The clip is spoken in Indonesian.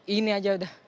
ini aja udah